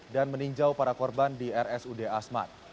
dan meninjau para korban di rsud asmat